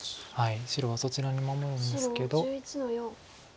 白はそちらに守るんですけど。